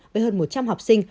với hơn một trăm linh học sinh